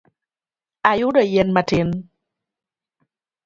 Ayudo yien matin